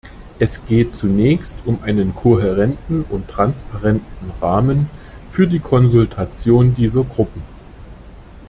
Es geht zunächst um einen kohärenten und transparenten Rahmen für die Konsultation dieser Gruppen.